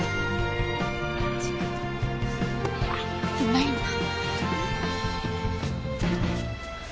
ないな。